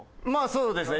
そうですね。